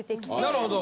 なるほど。